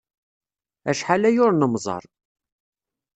Acḥal aya ur nemmẓer.